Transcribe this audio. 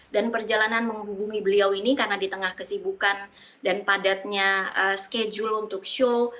dan perjalanan menghubungi beliau ini karena di tengah kesibukan dan padatnya schedule untuk show